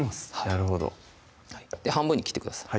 なるほど半分に切ってください